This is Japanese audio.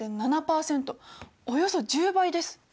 およそ１０倍です。